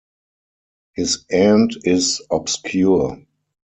His end is obscure.